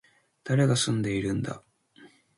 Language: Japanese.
誰が住んでいるんだ